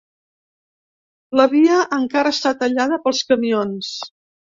La via encara està tallada pels camions.